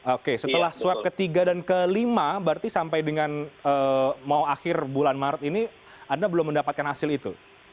oke setelah swab ketiga dan kelima berarti sampai dengan mau akhir bulan maret ini anda belum mendapatkan hasil itu